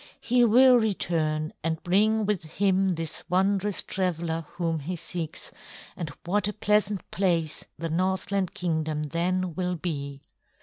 He will return and bring with him this wondrous traveler whom he seeks, and what a pleasant place the Northland Kingdom then will be!"